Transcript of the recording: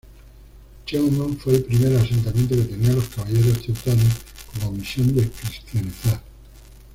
Chełmno fue el primer asentamiento que tenían los "Caballeros Teutones" como misión de cristianizar.